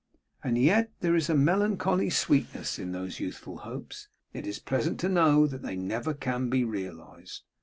'And yet there is a melancholy sweetness in these youthful hopes! It is pleasant to know that they never can be realised.